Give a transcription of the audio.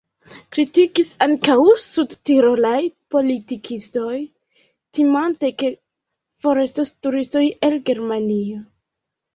Kritikis ankaŭ sudtirolaj politikistoj, timante, ke forestos turistoj el Germanio.